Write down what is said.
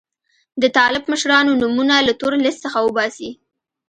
د طالب مشرانو نومونه له تور لیست څخه وباسي.